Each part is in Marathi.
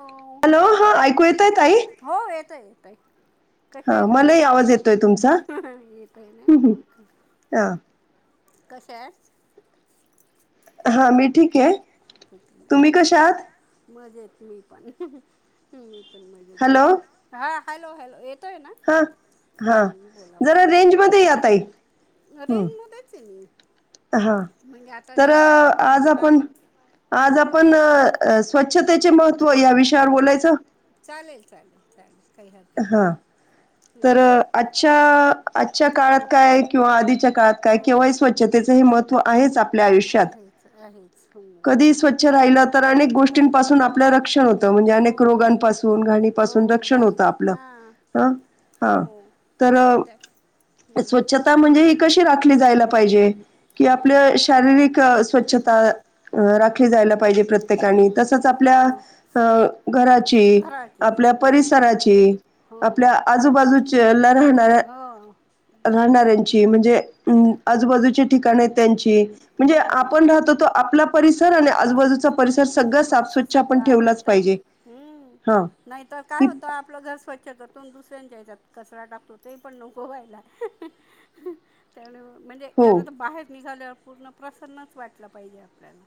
हो हॅलो उठत हा आहे ऐकू येतय ताई क हो येतय येतय [unintelligible] हा कशा हाय तई मलाही आवाज येतोय तुमचा हं, हम हम येते ना. हं. हा तसेच [unintelligible] हा मी ठीक आहे. तुम्ही नाही कशा आहात [unintelligible] मज मी पण मी पण मजेत हा हॅलो हॅलो. येतोय ना हा हा हं जरा रेंज मध्ये या ताई. हं, रेन मध्येच आहे मी. हां म्हणजे आता तर हे अ, का आहे मला आज हा. आपण आज आपण स्वच्छतेचे महत्त्व या विषयावर बोलायचं. चालेल लेल चालेल काही हरकत नाही. हां तर हं आजच्या आजच्या काळात हं काय, किंवा आधीच्या काळात काय हं किंवा हे स्वच्छतेच हे मत तो आहेच आप आपल्या आयुष्यात आहेच आहेच हो कधी स्वच्छ राहिलं तर अनेक तर गोष्टींपासून आपलं मग रक्षण हे- होतं. म्हणजे अनेक हो रोगापून घाणीपासून हो रक्षण होत. राई म्हण. हां हा हो ह त्या तर हं, स्वच्छता म्हणजे? ती कशी राखली जायला पाहिजे की हं, आपल्या शारीरिक स्वच्छता रा. पाहिजे प्रत्येकाने हं, तसंच आपल्या हो अ घराची, घराटी आपल्या हं, परिसराची, हो आपल्या आजूबाजूच्या राहणाऱ्या हो राहणाऱ्यांची. म्हणजे आजूबाजूचे ठिकाण आहे, त्यांची म्हणजे हो हो आपण राहतो तो आपला परिसर. स आणि आजूबाजूचा परिसर सगळं साफ परिसर स्वच्छ आपण सगळा ठेवलाच पाहिजे हा. नाहीत काय होतं आपलं घर स्वच्छ त्याच्यागतून दुसऱ्यांच्या याच्यात कचरा टाकतो ते पण नकोवायला त्. [unintelligible] यामुळे म्हणजे हो, खरं तर बाहेर निघाल्यावर पूर्ण प्रसन्नच वाटलं पाहिजे आपल्याला.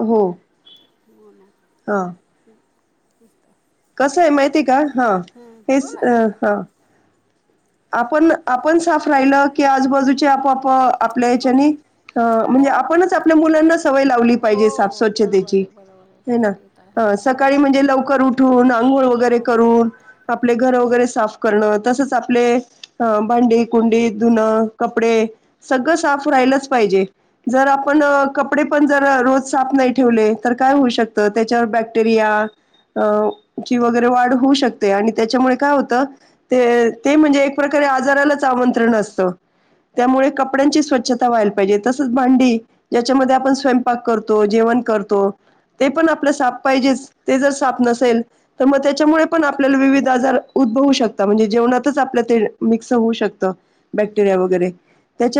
हो, मणा हां. [unintelligible] कसं आहे माहिती हा हेच बोला ना बोला हा. आपण आपण साफ राहिलं की, आजूबाजूचे आपोआप आपल्या हो हच्याने अ म्हणजे हो आपणच, आपल्या मुलांना सवय लावली हो पाहिजे साफ बरोबर स्वच्छतेची. आहे बरोबर आहे ह ते तर आहे ना हो सकाळी म्हणजे लवकर उठ हो ना आंघोळ हो वगैरे करून आपले घर हम्म वगैरे साप करण तस आपले भांडी, कुंडी धुणं, कपडे सगळं साफ राहिलंच पाहिजे जर आपण अ कपडे पण, जर रोज साफ नाही ठेवले तर काय होऊ शकत. त्याच्यावर बॅक्टेरिया अ ची वगैरे वाढ होऊ शकते आणि त्याच्यामुळे काय होत ते ते म्हणजे एक प्रकारे आ आजारालाच आमंत्रण असत. त्यामुळे कपड्यांची स्वच्छता व्हायला पाहिजे, तसच भांडी ज्याच्यामध्ये आपण स्वयंपाक करतो. जेव्हा, काय करतो ते पण आपल्या साप पाहिजे ते जर साप ल मग त्याच्यामुळे पण आपल्याला वि आजार उद्वू शकता म्हणजे जेवातच आप असं होऊ शकतं बॅक्टेरिया वगैरे त्याच्यामुळे,